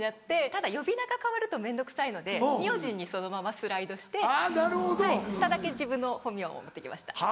ただ呼び名が変わると面倒くさいので名字にそのままスライドして下だけ自分の本名を持って来ました。